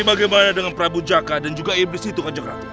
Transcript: bagaimana dengan prabu jaka dan juga iblis itu kan jakrato